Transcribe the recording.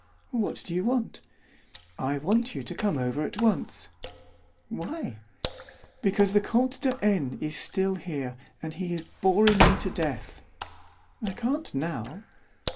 "What do you want?" "I want you to come over at once." "Why?" "Because the Comte de N. is still here, and he is boring me to death." "I can't now."